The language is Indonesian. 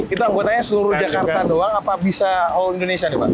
itu anggotanya seluruh jakarta doang apa bisa all indonesia nih pak